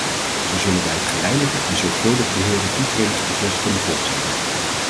Zo zullen wij het geleidelijke en zorgvuldig beheerde toetredingsproces kunnen voortzetten.